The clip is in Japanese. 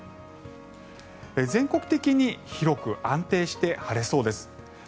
全国的に広く安定して晴れそうです。